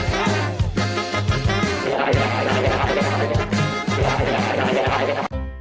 โปรดติดตามตอนต่อไป